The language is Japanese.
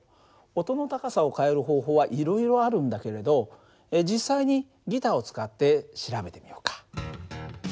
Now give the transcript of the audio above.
音の高さを変える方法はいろいろあるんだけれど実際にギターを使って調べてみようか。